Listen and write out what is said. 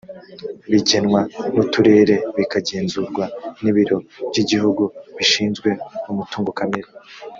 bigenwa n’uturere bikagenzurwa n’ibiro by’igihugu bishinzwe umutungo kamere